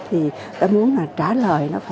thì tôi muốn trả lời